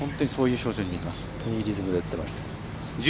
本当にいいリズムで打っています。